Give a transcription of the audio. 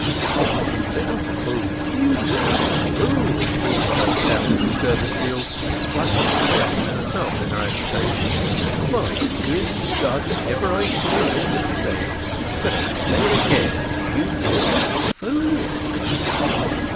"O you little fool—you little fool!" burst out Mrs Durbeyfield, splashing Tess and herself in her agitation. "My good God! that ever I should ha' lived to say it, but I say it again, you little fool!"